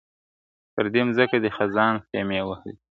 پردې مځکه دي خزان خېمې وهلي !.